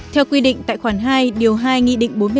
theo quy định tại khoản hai điều hai nghị định